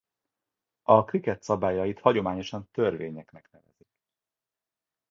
A krikett szabályait hagyományosan törvényeknek nevezik.